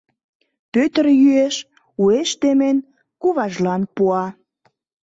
Пӧтыр йӱэш, уэш темен, куважлан пуа.